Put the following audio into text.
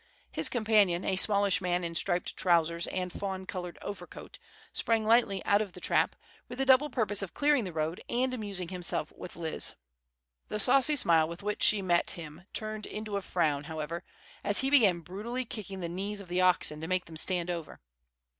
His companion, a smallish man in striped trousers and fawn colored overcoat, sprang lightly out of the trap, with the double purpose of clearing the road and amusing himself with Liz. The saucy smile with which she met him turned into a frown, however, as he began brutally kicking the knees of the oxen to make them stand over.